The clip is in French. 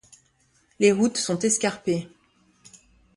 Les routes sont escarpées.